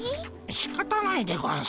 しかたないでゴンス。